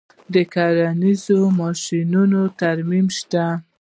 د کرنیزو ماشینریو ترمیم شته